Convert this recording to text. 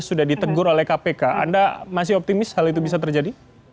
sudah ditegur oleh kpk anda masih optimis hal itu bisa terjadi